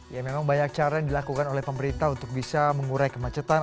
ya memang banyak cara yang dilakukan oleh pemerintah untuk bisa mengurai kemacetan